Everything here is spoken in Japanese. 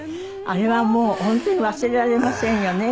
あれはもう本当に忘れられませんよね